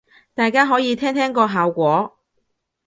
大家可以聽聽個效果